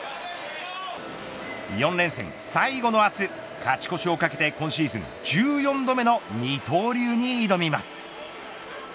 ４連戦最後の明日勝ち越しをかけて今シーズン１４度目の二刀流に挑みます。